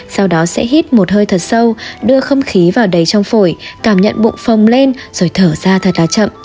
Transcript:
sau đó sẽ hít một hơi thật sâu đưa không khí vào đầy trong phổi cảm nhận bụng phồng lên rồi thở ra thật là chậm